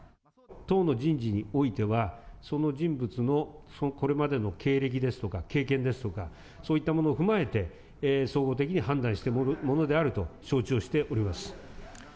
党の人事においては、その人物のこれまでの経歴ですとか経験ですとか、そういったものを踏まえて、総合的に判断したものであると承知をしております。